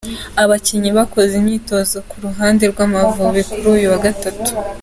Abakinnyi bakoze imyitozo ku ruhande rw’Amavubi kuri uyu wa gatatu:.